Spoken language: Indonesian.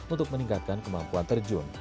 untuk meningkatkan kemampuan terjun